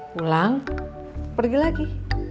pulang pergi lagi